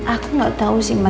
aku gak tau sih mbak